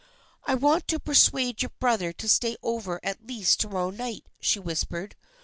" I want to persuade your brother to stay over at least to morrow night," she whispered.